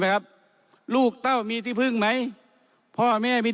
เห็นไหมครับ